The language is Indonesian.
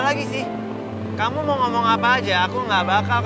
saya disini cari yang namanya boy ada gak pak